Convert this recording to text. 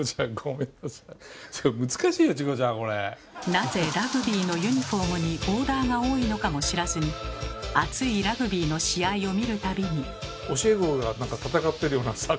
なぜラグビーのユニフォームにボーダーが多いのかも知らずに熱いラグビーの試合を見る度に。